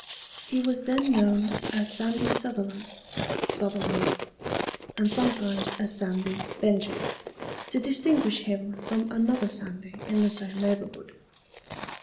He was then known as Sandy Suthelan (Sutherland), and sometimes as Sandy Benjy, to distinguish him from another Sandy in the same neighborhood.